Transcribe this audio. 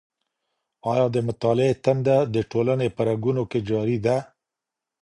آيا د مطالعې تنده د ټولني په رګونو کي جاري ده؟